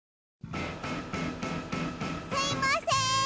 すいません！